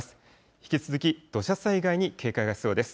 引き続き土砂災害に警戒が必要です。